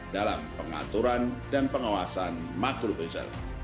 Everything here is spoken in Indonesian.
dalam pengaturan dan pengawasan makro pencarian